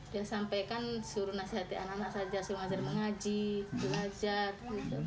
dia sampaikan suruh nasihati anak anak saja suruh ajar mengaji belajar